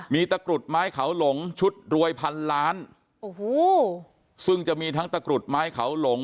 มีตะกรุดไม้เขาหลงชุดรวยพันล้านโอ้โหซึ่งจะมีทั้งตะกรุดไม้เขาหลง